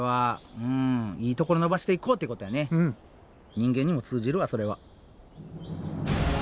人間にも通じるわそれは。